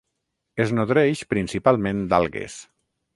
Es nodreix principalment d'algues.